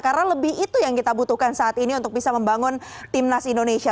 karena lebih itu yang kita butuhkan saat ini untuk bisa membangun timnas indonesia